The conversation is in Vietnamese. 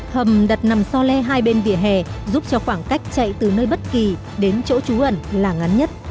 hầm đặt nằm so le hai bên vỉa hè giúp cho khoảng cách chạy từ nơi bất kỳ đến chỗ trú ẩn là ngắn nhất